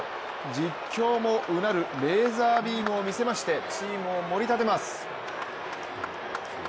実況もうなるレーザービームを見せましてチームをもり立てます。